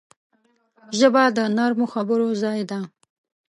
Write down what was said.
ژبه د نرمو خبرو ځای ده